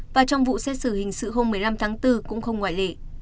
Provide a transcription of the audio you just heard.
và trong vụ xét xử hình sự hôm một mươi năm tháng bốn cũng không ngoại lệ